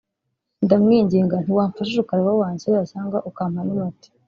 ndamwinginga nti wamfashije ukareba aho wanshyira cyangwa ukampa n’umuti